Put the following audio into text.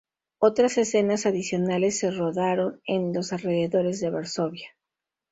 Otras escenas adicionales se rodaron en los alrededores de Varsovia.